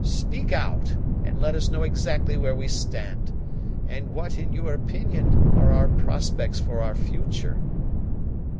Speak out, and let us know exactly where we stand, and what, in your opinion, are our prospects for our future."